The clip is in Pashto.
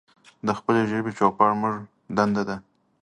د خپلې ژبې چوپړ زمونږ دنده ده.